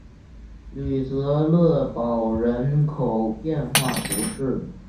吕泽勒堡人口变化图示